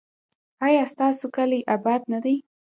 ایا ستاسو کلی اباد نه دی؟